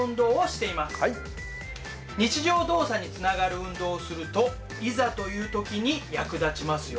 日常動作につながる運動をするといざという時に役立ちますよ。